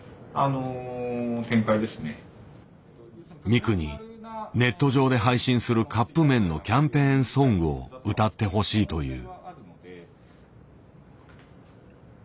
ミクにネット上で配信するカップ麺のキャンペーンソングを歌ってほしいという。